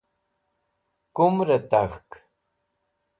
kumrt tak̃hk